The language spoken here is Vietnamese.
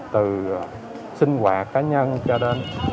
từ sinh hoạt cá nhân cho đến